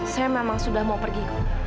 saya memang sudah mau pergi